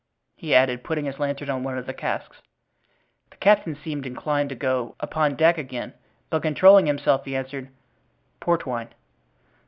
he added, putting his lantern on one of the casks. The captain seemed inclined to go upon deck again, but controlling himself he answered: "Port wine."